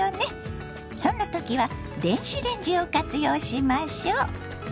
そんな時は電子レンジを活用しましょ。